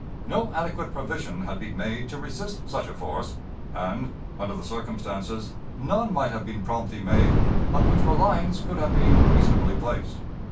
No adequate provision had been made to resist such a force, and, under the circumstances, none might have been promptly made on which reliance could have been reasonably placed.